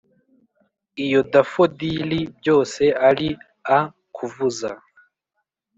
iyo daffodili byose ari a-kuvuza,